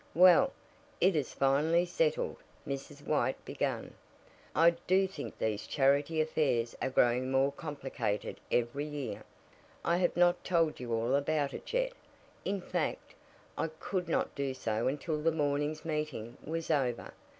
"Well, it is finally settled," Mrs. White began. "I do think these charity affairs are growing more complicated every year. I have not told you all about it yet; in fact, I could not do so until this morning's meeting was over.